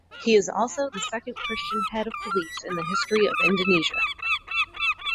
He is also the second Christian head of police in the history of Indonesia.